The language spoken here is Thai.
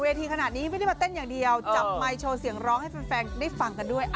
ทีขนาดนี้ไม่ได้มาเต้นอย่างเดียวจับไมค์โชว์เสียงร้องให้แฟนได้ฟังกันด้วย